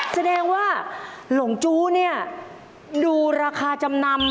แสดงว่าหลงจู้เนี่ยดูราคาจำนำ